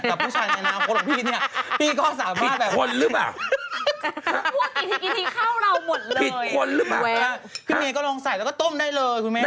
ต่อผู้ชายงานฺลังพรมพิษเนี่ยพี่ก็สามารถแบบ